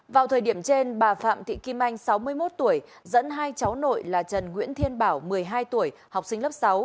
vào thời điểm trên bà phạm thị kim anh sáu mươi một tuổi dẫn hai cháu nội là trần nguyễn thiên bảo một mươi hai tuổi học sinh lớp sáu